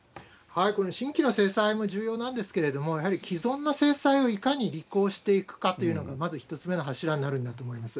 この新規の制裁も重要なんですけれども、やはり既存の制裁をいかに履行していくかというのがまず１つ目の柱になるんだと思います。